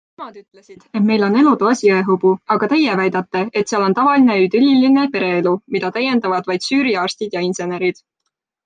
Nemad ütlesid, et meil on elutoas jõehobu, aga teie väidate, et seal on tavaline idülliline pereelu, mida täiendavad vaid Süüria arstid ja insenerid.